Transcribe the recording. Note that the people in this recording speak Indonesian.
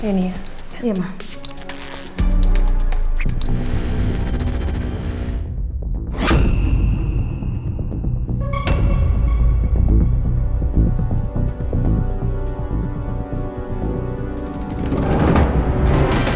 mereka layak macam adik anak